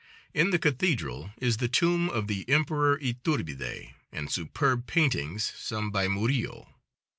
In the cathedral is the tomb of the Emperor Yturbide, and superb paintings, some by Murillo.